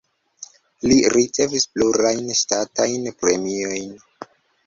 Li ricevis plurajn ŝtatajn premiojn.